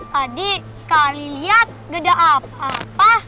tadi kali lihat gede apa